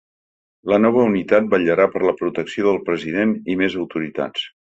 La nova unitat vetllarà per la protecció del president i més autoritats.